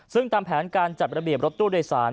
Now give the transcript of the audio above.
ซึ่งตามแผนการจัดระเบียบรถตู้โดยสาร